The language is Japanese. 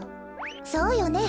そうよね。